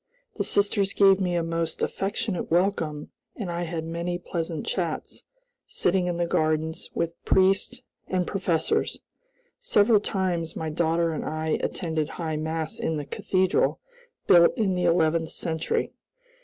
The sisters gave me a most affectionate welcome and I had many pleasant chats, sitting in the gardens, with the priests and professors. Several times my daughter and I attended High Mass in the cathedral, built in the eleventh century.